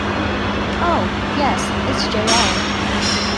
Oh, yes, it's J. R.